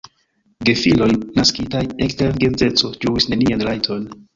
Gefiloj naskitaj ekster geedzeco ĝuis nenian rajton.